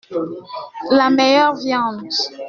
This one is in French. La meilleure viande.